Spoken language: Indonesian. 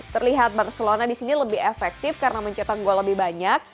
terlihat barcelona di sini lebih efektif karena mencetak gol lebih banyak